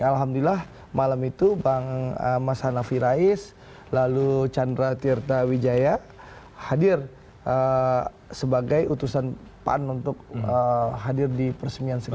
alhamdulillah malam itu bang mas hanafi rais lalu chandra tirta wijaya hadir sebagai utusan pan untuk hadir di peresmian sekarang